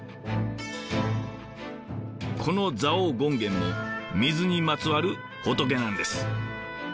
この蔵王権現も水にまつわる仏なんです。